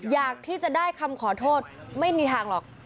อยากที่จะได้คำขอโทษไม่มีทางหรอก